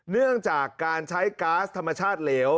เนื่องจากการใช้ก๊าซธรรมชาติเหลว